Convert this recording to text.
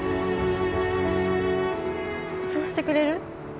そうしてくれる？